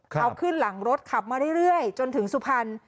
เอาขึ้นหลังรถขับมาเรื่อยจนถึงสุพรรณ